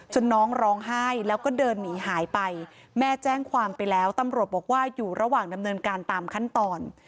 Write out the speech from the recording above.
น้องร้องไห้แล้วก็เดินหนีหายไปแม่แจ้งความไปแล้วตำรวจบอกว่าอยู่ระหว่างดำเนินการตามขั้นตอน